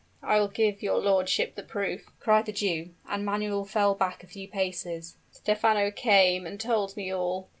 I will give your lordship the proof!" cried the Jew: and Manuel fell back a few paces. "Stephano came and told me all.